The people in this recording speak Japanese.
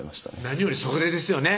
何よりそれですよね